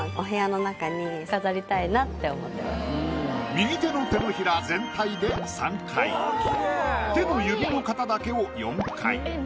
右手の手のひら全体で３回手の指の形だけを４回。